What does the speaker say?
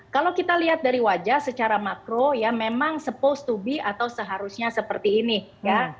kalau kita lihat dari wajah secara makro ya memang sepost to be atau seharusnya seperti ini ya